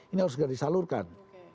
ini harus disalurkan